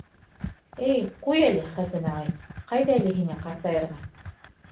— Эй, ҡуй әле, Хәсән ағай, ҡайҙа әле һиңә ҡартайырға?!